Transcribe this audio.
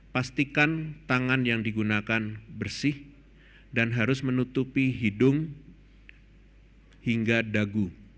pastikan tangan yang digunakan bersih dan harus menutupi hidung hingga dagu